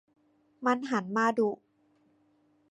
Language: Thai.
มันหันมาดุ